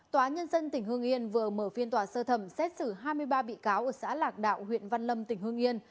tòa nhân dân tỉnh hương yên vừa mở phiên tòa sơ thẩm xét xử hai mươi ba bị cáo ở xã lạc đạo huyện văn lâm tỉnh hương yên